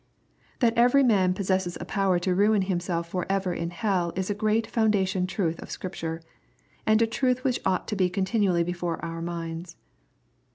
That every man possesses a power to ruin himself for ever in hell is a great foundation truth of Scripture, and a truth which ought to be continually before our minds.